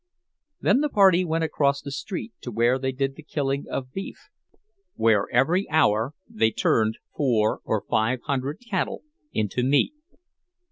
Then the party went across the street to where they did the killing of beef—where every hour they turned four or five hundred cattle into meat.